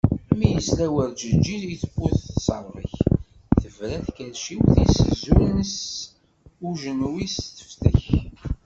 Mi yesla werǧeǧǧi i tewwurt teṣṣerbek, tebreq tkerciwt-is zun s ujenwi teftek.